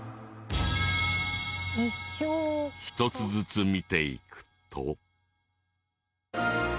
１つずつ見ていくと。